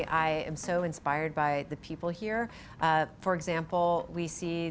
saya sangat terinspirasi oleh orang orang di sini